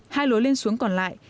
hai lối lên xuống còn lại